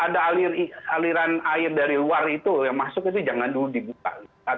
ada aliran air dari luar itu yang masuk itu jangan dulu dibuka